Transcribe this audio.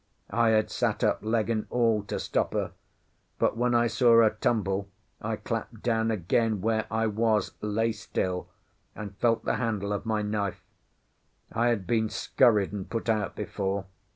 I had sat up, leg and all, to stop her; but when I saw her tumble I clapped down again where I was, lay still, and felt the handle of my knife. I had been scurried and put out before.